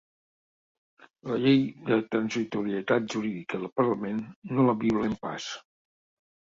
La llei de transitorietat jurídica del parlament no la violem pas.